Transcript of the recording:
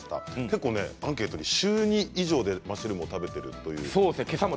結構アンケートで週２以上でマッシュルームを食べていると松尾さん。